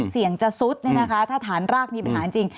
เสี่ยงจะซุดถ้าฐานรากมีปัญหาจริง